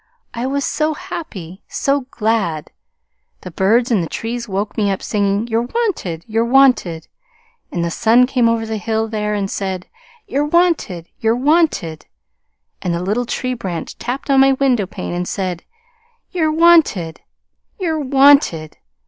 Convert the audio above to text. I was so happy, so glad! The birds in the trees woke me up singing, 'You're wanted you're wanted;' and the sun came over the hill there and said, 'You're wanted you're wanted;' and the little tree branch tapped on my window pane and said 'You're wanted you're wanted!'